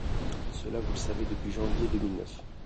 Cela, vous le savez depuis janvier deux mille neuf.